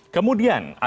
kemudian ada mitos lainnya